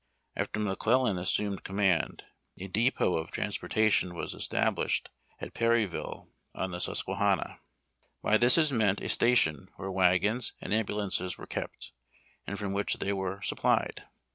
After McClellan assumed command, a depot of transportatioyi was established at Perryville on the Susque hanna ; by this is meant a station where wagons and ambulances were kept, and from which they were sup plied.